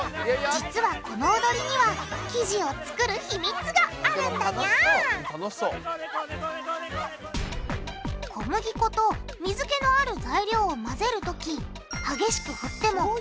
実はこのおどりには生地を作る秘密があるんだニャー小麦粉と水けのある材料をまぜるとき激しく振ってもうまくまざらないんだあ！